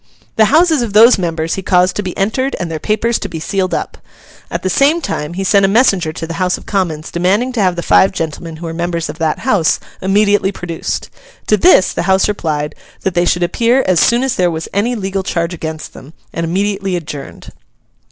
The houses of those members he caused to be entered, and their papers to be sealed up. At the same time, he sent a messenger to the House of Commons demanding to have the five gentlemen who were members of that House immediately produced. To this the House replied that they should appear as soon as there was any legal charge against them, and immediately adjourned.